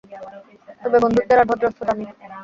তবে বন্ধুত্বের আর ভদ্রস্থতা নাই।